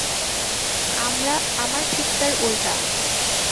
আমার ঠিক তার উলটা।